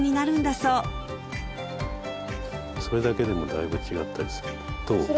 そうそれだけでもだいぶ違ったりするどう？